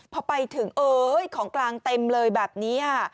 พอไปถึงเอ้ยของกลางเต็มเลยแบบนี้ค่ะ